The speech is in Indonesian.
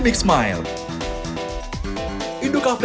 lain selain dokter